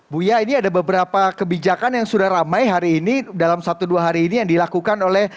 buya ini ada beberapa kebijakan yang sudah ramai hari ini dalam satu dua hari ini yang dilakukan oleh